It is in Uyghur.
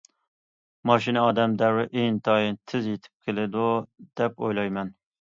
ماشىنا ئادەم دەۋرى ئىنتايىن تېز يېتىپ كېلىدۇ دەپ ئويلايمەن.